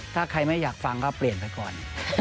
ถ้าใครไม่อยากฟังก็เปลี่ยนไปก่อน